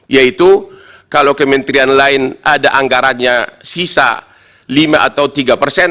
yaitu kalau kementerian lain ada anggarannya sisa lima atau tiga persen